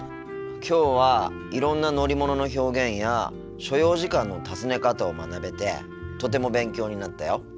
きょうはいろんな乗り物の表現や所要時間の尋ね方を学べてとても勉強になったよ。